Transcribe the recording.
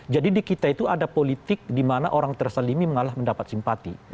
jadi di kita itu ada politik dimana orang tersendiri malah mendapat simpati